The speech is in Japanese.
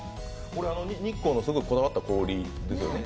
日光のすごいこだわった氷ですよね？